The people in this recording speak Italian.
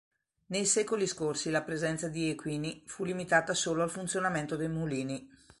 Nei secoli scorsi la presenza di equini fu limitata solo al funzionamento dei mulini.